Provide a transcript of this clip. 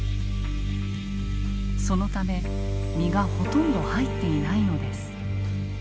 そのため身がほとんど入っていないのです。